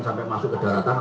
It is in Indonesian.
sampai masuk ke daratan